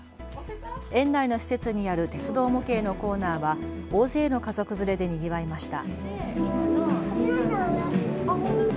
園内の施設にある鉄道模型のコーナーは大勢の家族連れでにぎわいました。